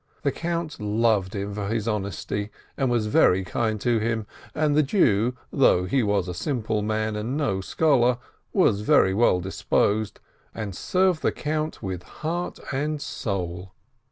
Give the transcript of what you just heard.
. The Count loved him for his honesty, and was very kind to him, and the Jew, although he was a simple man and no scholar, was well disposed, and served the Count with heart and soul.